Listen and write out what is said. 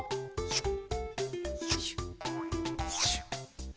シュッ！